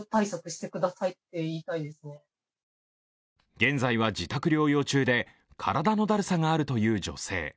現在は自宅療養中で体のだるさがあるという女性。